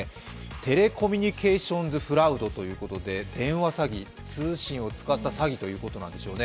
テレコミュニケーションズフラウドということで電話詐欺、通信を使った詐欺ということなんでしょうね。